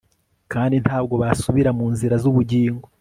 Kandi ntabwo basubira mu nzira zubugingo